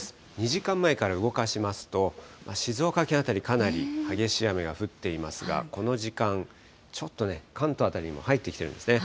２時間前から動かしますと、静岡県辺り、かなり激しい雨が降っていますが、この時間、ちょっとね、関東辺りにも入ってきているんですね。